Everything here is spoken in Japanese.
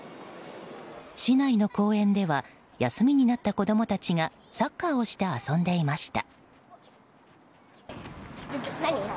市内の公園では休みになった子供たちがサッカーをして遊んでいました。